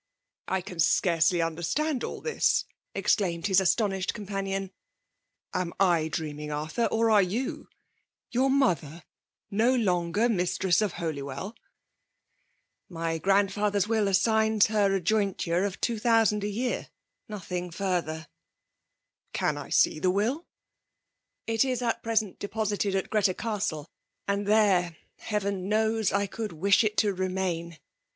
*'" I can scarcely understand all this 1 " ex claimed his astonished companion. Am I dreaming, Arthur, or are you ? Yotir mother no longer mistress of Holywell ?"" My grandfather's will assigns her a join ture of two thousand a year — nothing further." 256 MM AJJB jMHUfAnaN. ««CanIaeetlieinll?' «* It ift at present depomted at GieteCMk; and there, Heaven knows, I could wish it to remain.